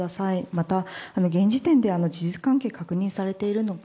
また、現時点で事実関係が確認されているのか。